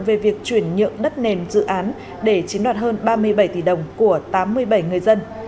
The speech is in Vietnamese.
về việc chuyển nhượng đất nền dự án để chiếm đoạt hơn ba mươi bảy tỷ đồng của tám mươi bảy người dân